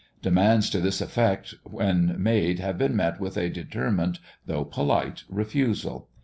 Demands to this effect when made have been met with a determined, though polite, refusal.